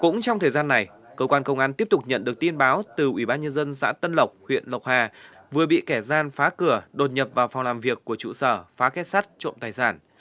cũng trong thời gian này cơ quan công an tiếp tục nhận được tin báo từ ủy ban nhân dân xã tân lộc huyện lộc hà vừa bị kẻ gian phá cửa đột nhập vào phòng làm việc của trụ sở phá kết sắt trộm tài sản